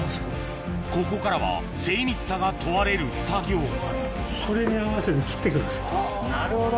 ここからは精密さが問われる作業なるほど。